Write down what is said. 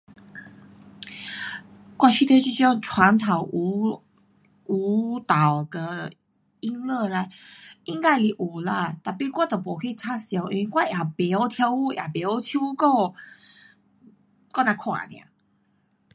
我觉得这种传统舞，舞蹈跟音乐啦，应该是有啦，tapi 我都没去插晓，因为我也甭晓跳舞也甭晓唱歌，我只看 nia